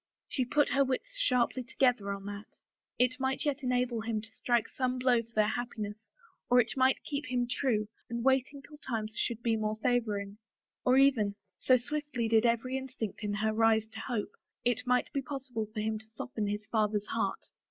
She put her wits sharply together over that. It might yet enable him to strike some blow for their happiness or it might keep him true and waiting till times should be more favoring. Or even, so swiftly did every instinct in her rise to hope, it might be possible for him to soften his father's heart.